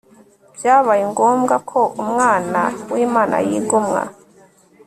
byabaye ngombwa ko Umwana wImana yigomwa